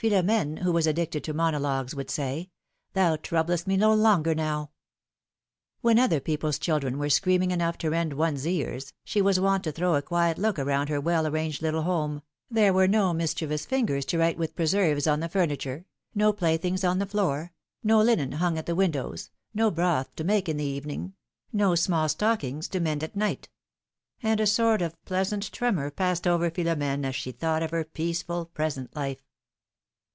Philom^ne, who was addicted to monologues, would say : thou troublest me no longer now!" When other people's children were screaming enough to rend one's ears, she was wont to throw a quiet look around her well arranged little home ; there were no mischievous fingers to write with preserves on the furni ture, no playthings on the floor, no linen hung at the windows, no broth to make in the evening, no small stockings to mend at night ; and a sort of pleasant tremor passed over Philom^ne as she thought of her peaceful, present life.